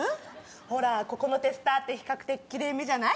ほらここのテスターって比較的きれいめじゃない？